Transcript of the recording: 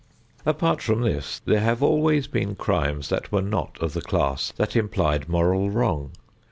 Apart from this, there have always been crimes that were not of the class that implied moral wrong.